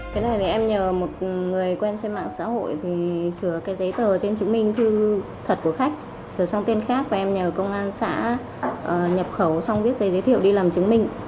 cái này thì em nhờ một người quen trên mạng xã hội thì sửa cái giấy tờ trên chứng minh thư thật của khách sửa sang tên khác và em nhờ công an xã nhập khẩu xong viết giấy giới thiệu đi làm chứng minh